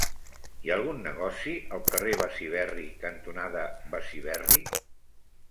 Hi ha algun negoci al carrer Besiberri cantonada Besiberri?